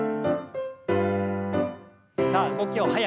さあ動きを早く。